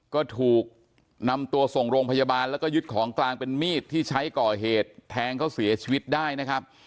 ก็ถูกนำตัวส่งโรงพยาบาลแล้วก็ยึดของกลางเป็นมีดที่ใช้ก่อเหตุแทงเขาเสียชีวิตได้นะครับ